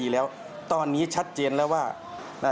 แล้วก็เรียกเพื่อนมาอีก๓ลำ